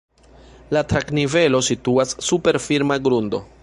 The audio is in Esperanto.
La trak-nivelo situas super firma grundo.